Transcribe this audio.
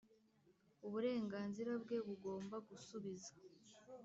uburenganzira bwe bugomba gusubiza